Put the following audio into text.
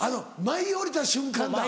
舞い降りた瞬間だ。